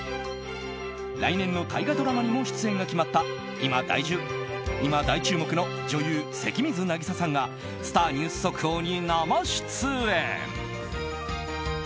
来年の大河ドラマにも出演が決まった今大注目の女優・関水渚さんがスター☆ニュース速報に生出演。